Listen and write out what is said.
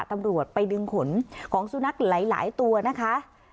ตำรวจไปดึงขนของสุนัขหลายตัวนะคะ